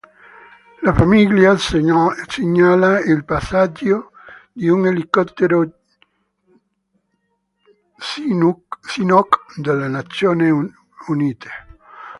La famiglia segnala il passaggio di un elicottero Chinook delle Nazioni Unite.